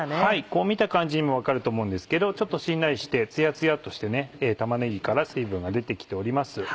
こう見た感じでも分かると思うんですけどちょっとしんなりしてつやつやとして玉ねぎから水分が出て来ております。